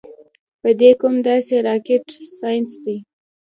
پۀ دې کوم داسې راکټ سائنس دے -